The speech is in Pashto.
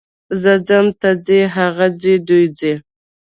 زه ځم، ته ځې، هغه ځي، دوی ځي.